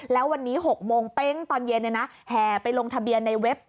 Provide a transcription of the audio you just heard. แล้ววันนี้๖โมงเป๊งตอนเย็นแห่ไปลงทะเบียนในเว็บ